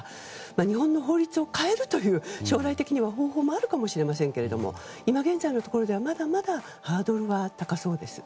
日本の法律を変えるという将来的には方法もあるかもしれませんが今現在のところではまだまだハードルは高そうです。